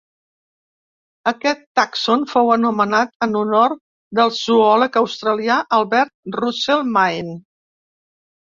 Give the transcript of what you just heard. Aquest tàxon fou anomenat en honor del zoòleg australià Albert Russell Main.